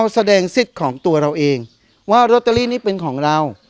แสดงสิทธิ์ของตัวเราเองว่าลอตเตอรี่นี้เป็นของเรา